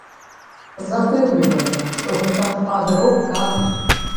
Запэўніваю, што гэта падробка.